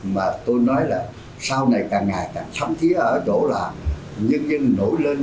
mà tôi nói là sau này càng ngày càng sắm thiết ở chỗ là nhân dân nổi lên